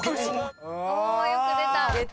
よく出た。